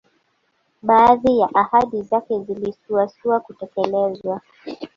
Baadhi ya ahadi zake zilisuasua kutekelezwa